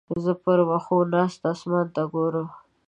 زه پر وښو ناسته اسمان ته ګورم.